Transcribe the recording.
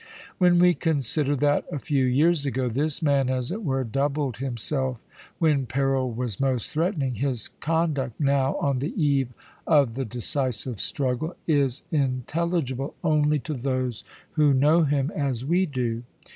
"When we consider that, a few years ago, this man, as it were, doubled himself when peril was most threatening, his conduct now, on the eve of the decisive struggle, is intelligible only to those who know him as we do.